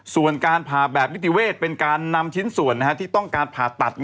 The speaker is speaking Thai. ส่วนการผ่าแบบนิติเวศเป็นการนำชิ้นส่วนที่ต้องการผ่าตัด